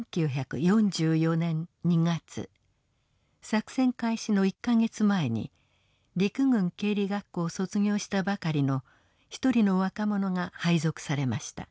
作戦開始の１か月前に陸軍経理学校を卒業したばかりの一人の若者が配属されました。